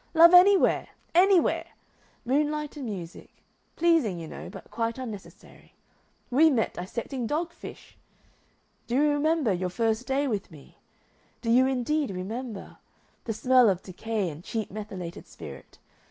Love anywhere. Anywhere! Moonlight and music pleasing, you know, but quite unnecessary. We met dissecting dogfish.... Do you remember your first day with me?... Do you indeed remember? The smell of decay and cheap methylated spirit!...